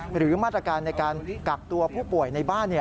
หรือมาตรการในการกักตัวผู้ป่วยในบ้าน